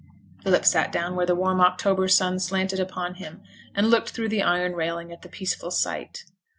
Philip sat down where the warm October sun slanted upon him, and looked through the iron railing at the peaceful sight.